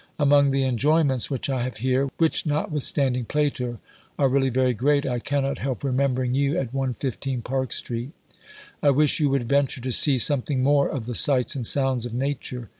Among the enjoyments which I have here, which notwithstanding Plato are really very great, I cannot help remembering you at 115 Park Street. I wish you would venture to see something more of the sights and sounds of nature.